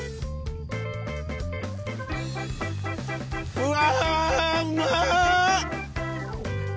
うわ。